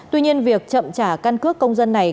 tuy nhiên việc chậm trả căn cước công dân này